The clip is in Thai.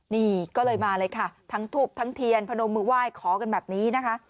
นี่ก็เลยมาเลยค่ะทั้งทุบทั้งเทียนพนมมือไหว้ขอกันแบบนี้นะคะ